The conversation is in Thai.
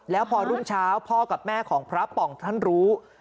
แล้วพอรุ่งเช้าพ่อกับแม่ของพระป่องท่านรู้